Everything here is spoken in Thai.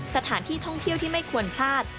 สถานที่ท่องเที่ยวที่ไม่ควรพลาด